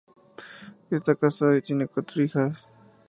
Está casado y tiene cuatro hijas.